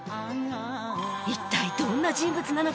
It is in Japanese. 一体どんな人物なのか？